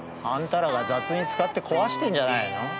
あんたらが雑に使って壊してんじゃないの？